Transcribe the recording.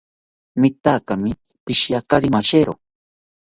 Mitaakimi poshiakari mashero